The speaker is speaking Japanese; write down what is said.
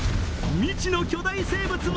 未知の巨大生物も。